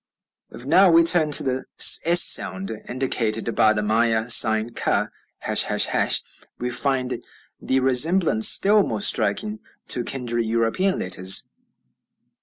If now we turn to the s sound, indicated by the Maya sign ca, ###, we find the resemblance still more striking to kindred European letters.